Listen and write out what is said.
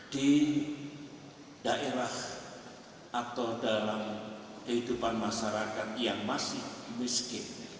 di daerah atau dalam kehidupan masyarakat yang masih miskin